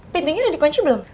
pintunya udah dikunci belum